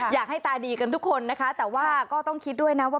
อยากให้ตาดีกันทุกคนนะคะแต่ว่าก็ต้องคิดด้วยนะว่า